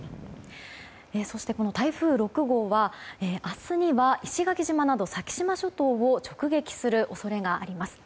台風６号は明日には石垣島など先島諸島を直撃する恐れがあります。